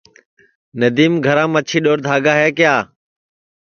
ندیم گھرام مچھی ڈؔور دھاگا ہے کیا